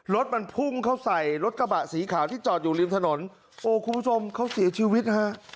รถมันพุ่งเข้าใส่รถกระบะสีขาวที่จอดอยู่ริมถนนโอ้คุณผู้ชมเขาเสียชีวิตฮะ